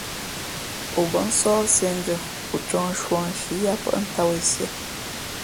O bά nsǒh siēndʉ̄ᾱ, ǒ ncōh nshū ā nshi yāʼpάʼ tām wen síé.